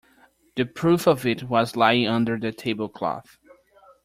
The proof of it was lying under the table-cloth.